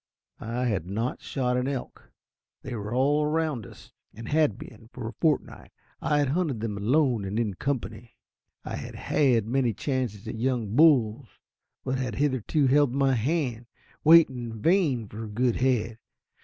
I had not shot an elk. They were all round us, and had been for a fortnight. I had hunted them alone and in company. I had had many chances at young bulls, but had hitherto held my hand, waiting in vain for a good head.